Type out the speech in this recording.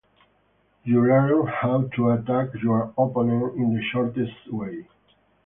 You learn how to attack your opponent in the shortest way.